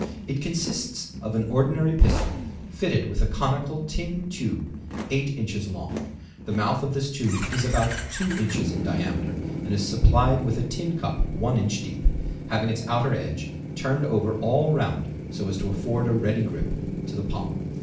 It consists of an ordinary pistol fitted with a conical tin tube 8 in. long. The mouth of this tube is about 2 in. in diameter and is supplied with a tin cup 1 in. deep, having its outer edge turned over all round so as to afford a ready grip to the palm.